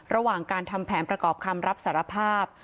ระหว่างการทำแผนประกอบคำรับสารภาพ